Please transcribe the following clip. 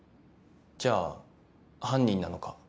じゃあ犯人なのか？